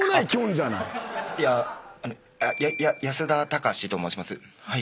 いややや安田隆と申します。